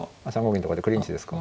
銀とかでクリンチですか。